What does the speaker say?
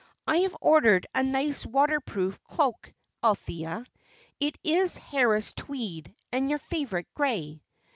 I have ordered a nice waterproof cloak, Althea; it is Harris tweed, and your favourite grey."